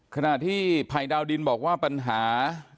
ขณะที่ภัยดาวดินบอกว่าปัญหา